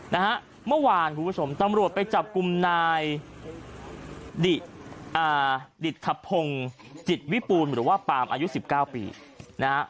นะฮะเมื่อวานคุณผู้ชมตำรวจไปจับกลุ่มนายดิตขพงศ์จิตวิปูนหรือว่าปามอายุสิบเก้าปีนะฮะ